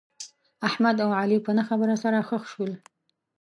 احمد او علي په نه خبره سره خښ شول.